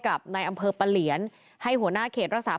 กับนายอำเพิร์บปลาเหลียนให้หัวหน้าเขตรักษาพันธุ์